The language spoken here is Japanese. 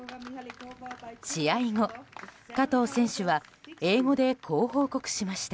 試合後、加藤選手は英語でこう報告しました。